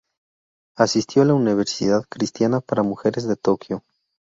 Asistió a la universidad cristiana para mujeres de Tokio.